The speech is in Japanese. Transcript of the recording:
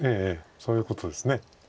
そういうことです。